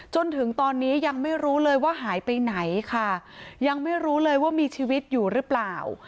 จนถึงตอนนี้ยังไม่รู้เลยว่าหายไปไหนค่ะยังไม่รู้เลยว่ามีชีวิตอยู่หรือเปล่า